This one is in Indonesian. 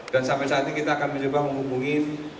dan sampai saat ini kita akan mencoba menghubungi